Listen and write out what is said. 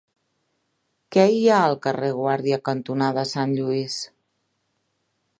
Què hi ha al carrer Guàrdia cantonada Sant Lluís?